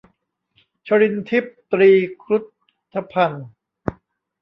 ชรินทร์ทิพย์ ตรีครุธพันธุ์